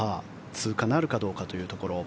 通過なるかどうかというところ。